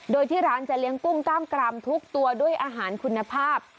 โดยที่ร้านจะเลี้ยงกุ้งกล้ามกรามทุกตัวด้วยอาหารคุณภาพ